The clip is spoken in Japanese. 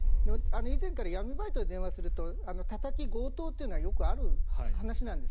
以前から、闇バイトに応募するとたたき、強盗というのはよくある話なんです。